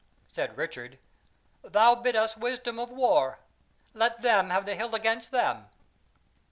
Said Richard: "Thou biddest us wisdom of war; let them have the hill against them."